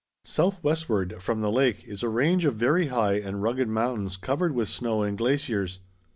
Southwestward from the lake is a range of very high and rugged mountains covered with snow and glaciers.